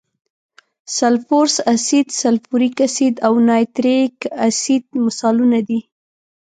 سلفورس اسید، سلفوریک اسید او نایتریک اسید مثالونه دي.